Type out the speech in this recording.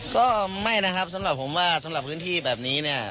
ก็ไม่นะครับสำหรับผมว่าสำหรับพื้นที่แบบนี้เนี่ย